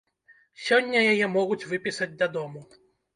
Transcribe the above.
Сёння яе могуць выпісаць дадому.